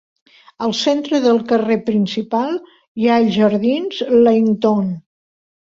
Al centre del carrer principal hi ha els jardins Leighton.